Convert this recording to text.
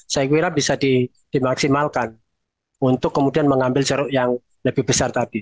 saya kira bisa dimaksimalkan untuk kemudian mengambil jeruk yang lebih besar tadi